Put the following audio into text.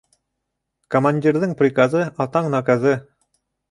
Командирҙың приказы атаң наказы.